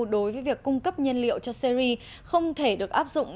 đối với việc cung cấp nhiên liệu cho syri không thể được áp dụng